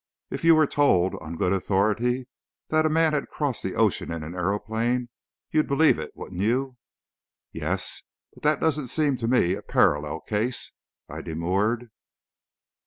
"If you were told, on good authority, that a man had crossed the ocean in an aeroplane, you'd believe it, wouldn't you?" "Yes; but that doesn't seem to me a parallel case," I demurred.